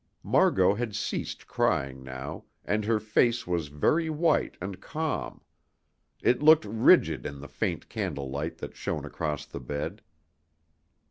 Margot had ceased crying now, and her face was very white and calm; it looked rigid in the faint candle light that shone across the bed.